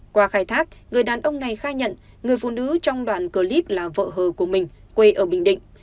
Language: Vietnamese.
qua khai thác người đàn ông này khai nhận người phụ nữ trong đoạn clip là vợ hờ của mình quê ở bình định